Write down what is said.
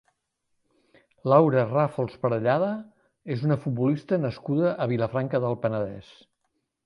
Laura Ràfols Parellada és una futbolista nascuda a Vilafranca del Penedès.